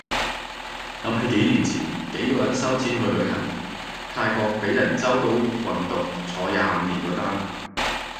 諗起幾年前幾個人收錢去旅行，泰國被人周到運毒坐廿五年嗰單